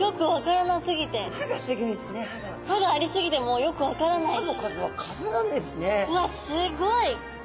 うわっすごい！